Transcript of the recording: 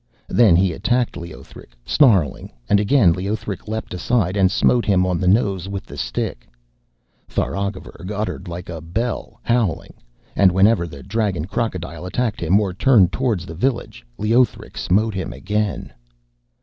Then he attacked Leothric, snarling, and again Leothric leapt aside, and smote him on the nose with his stick. Tharagavverug uttered like a bell howling. And whenever the dragon crocodile attacked him, or turned towards the village, Leothric smote him again.